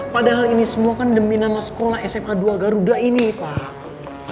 padahal ini semua kan demi nama sekolah sma dua garuda ini pak